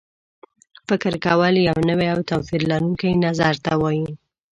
فکر کول یو نوي او توپیر لرونکي نظر ته وایي.